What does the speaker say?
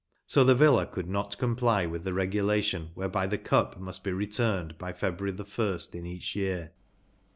So the Villa could not comply with the regulation whereby the Cup must be returned by February 1st in each year.